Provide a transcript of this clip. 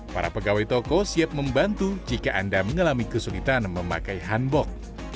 para pegawai toko siap membantu jika anda mengalami kesulitan memakai hanbok